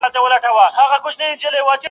لکه ستړی چي باغوان سي پر باغ ټک وهي لاسونه-